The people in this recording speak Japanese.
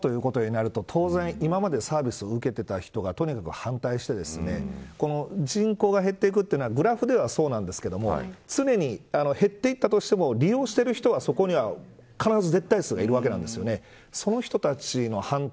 それが先ほど言ったように縮小ということになると当然、今までサービスを受けていた人がとにかく反対して人口が減っていくのはグラフではそうなんですけどすでに減っていったとしても利用している人はそこには必ず絶対数がいるわけなんですよね。